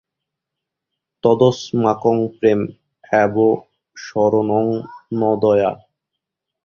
তদস্মাকং প্রেম এব শরণং, ন দয়া।